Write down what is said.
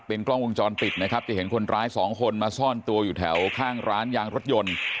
กล้องวงจรปิดนะครับจะเห็นคนร้ายสองคนมาซ่อนตัวอยู่แถวข้างร้านยางรถยนต์